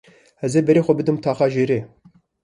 Ez ê berê xwe bidim taxa jêrê.